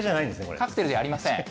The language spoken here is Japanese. カクテルじゃありません。